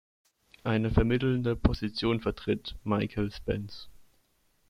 Eine vermittelnde Position vertritt Michael Spence.